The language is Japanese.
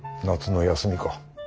夏の休みか。